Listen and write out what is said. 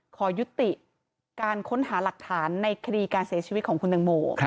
ขอยุติการค้นหาหลักฐานในคดีการเสียชีวิตของคุณตังโม